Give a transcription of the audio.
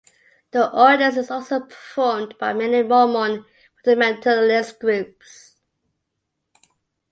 The ordinance is also performed by many Mormon fundamentalist groups.